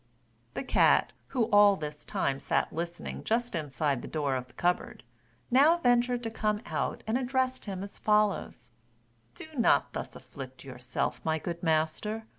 The cat, who all this time sat listening just inside the door of a cupboard, now ventured to come out and addressed him as follows: "Do not thus afflict yourself, my good master.